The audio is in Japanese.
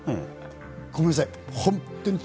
ごめんなさい。